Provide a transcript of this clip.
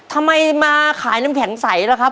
ทำไมมาขายน้ำแข็งใสล่ะครับ